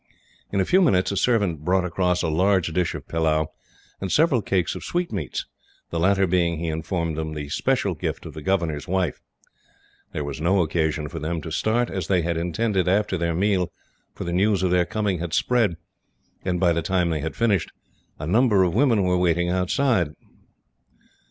In a few minutes a servant brought across a large dish of pillau, and several cakes of sweetmeats, the latter being, as he informed them, the special gift of the governor's wife. There was no occasion for them to start, as they had intended, after their meal, for the news of their coming had spread, and by the time they had finished, a number of women were waiting outside.